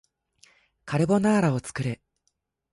カルボナーラを作る